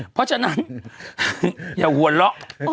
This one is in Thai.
เพราะฉะนั้นอย่าหัวเราะ